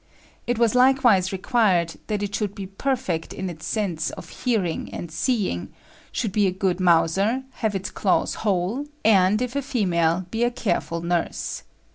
It was likewise required that it should be perfect in its sense of hearing and seeing, should be a good mouser, have its claws whole, and, if a female, be a careful nurse.